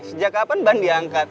sejak kapan ban diangkat